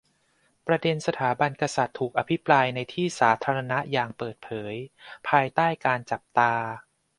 ประเด็นสถาบันกษัตริย์ถูกอภิปรายในที่สาธารณะอย่างเปิดเผย ภายใต้การจับตา